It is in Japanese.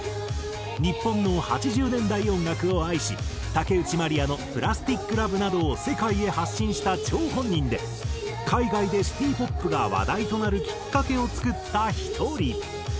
日本の８０年代音楽を愛し竹内まりやの『プラスティック・ラブ』などを世界へ発信した張本人で海外でシティポップが話題となるきっかけを作った１人。